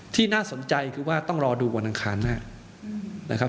ที่น่าสนใจคือว่าต้องรอดูวันอันขาดหน้า